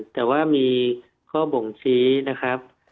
แต่ว่ามีข้อบ่งชี้นะครับ